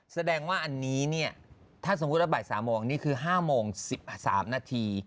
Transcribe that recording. แสดงว่าอันนี้เนี่ยถ้าสมมุติว่าบ่าย๓โมงนี่คือ๕โมง๑๓นาที